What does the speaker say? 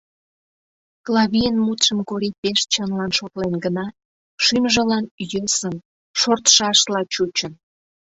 Клавийын мутшым Кори пеш чынлан шотлен гынат, шӱмжылан йӧсын, шортшашла чучын.